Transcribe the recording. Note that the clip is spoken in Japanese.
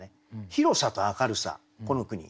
広さと明るさこの句に。